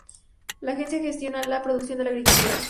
La agencia gestiona la producción de la agricultura.